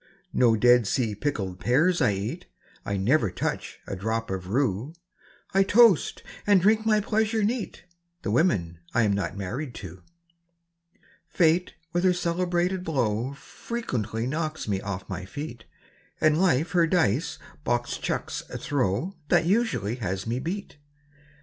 No Dead Sea pickled pears I eat; I never touch a drop of rue; I toast, and drink my pleasure neat, The women I'm not married to! Fate with her celebrated blow Frequently knocks me off my feet; And Life her dice box chucks a throw That usually has me beat.